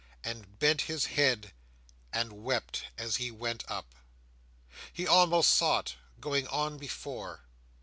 —and bent his head, and wept as he went up. He almost saw it, going on before.